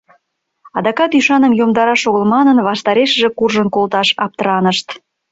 Адакат ӱшаным йомдараш огыл манын, ваштарешыже куржын колташ аптыранышт.